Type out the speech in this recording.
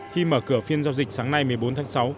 khi mở cửa phiên giao dịch sáng nay một mươi bốn tháng sáu